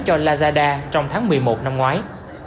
cho lazada trong tháng một mươi một năm ngoái